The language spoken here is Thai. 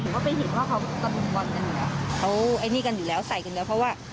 คือเห็นช่วงจังหวะไหมว่าใครไล่กันไป